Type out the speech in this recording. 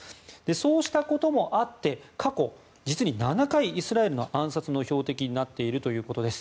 そうしたこともあって、過去実に７回、イスラエルの暗殺の標的になっているということです。